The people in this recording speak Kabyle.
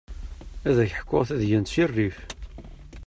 Ad ak-ḥkuɣ tadyant si rrif.